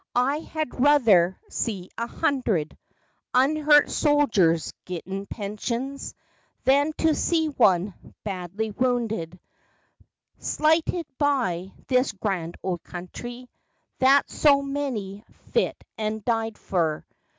I had ruther see a hundred Unhurt soldiers gittin' pensions, FACTS AND FANCIES. Than to see one, badly wounded, Slighted by this grand old country, That so many fit and died fer."